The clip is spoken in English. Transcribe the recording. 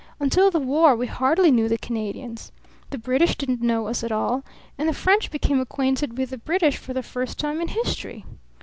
Until the war we hardly knew the Canadians. The British didn't know us at all, and the French became acquainted with the British for the first time in history.